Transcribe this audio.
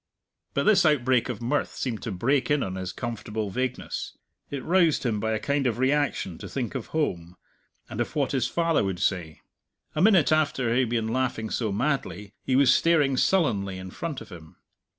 But this outbreak of mirth seemed to break in on his comfortable vagueness; it roused him by a kind of reaction to think of home, and of what his father would say. A minute after he had been laughing so madly, he was staring sullenly in front of him.